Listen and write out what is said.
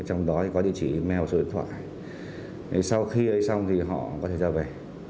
trong đó có địa chỉ email và số điện thoại sau khi ấy xong thì họ có thể ra về